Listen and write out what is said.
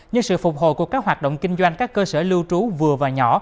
như sự phục hồi của các hoạt động kinh doanh các cơ sở lưu trú vừa và nhỏ